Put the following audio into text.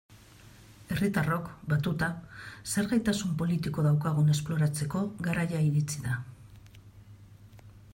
Herritarrok, batuta, zer gaitasun politiko daukagun esploratzeko garaia iritsi da.